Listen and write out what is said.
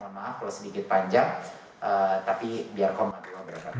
mohon maaf kalau sedikit panjang tapi biar komentar